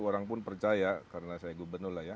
orang pun percaya karena saya gubernur lah ya